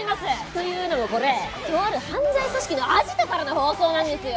というのもこれとある犯罪組織のアジトからの放送なんですよ。